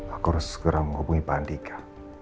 aku harus segera menghubungi pak andika